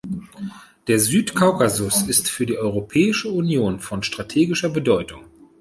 Der Südkaukasus ist für die Europäische Union von strategischer Bedeutung.